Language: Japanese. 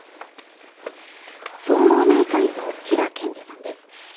総合内科医の平憲二さんです。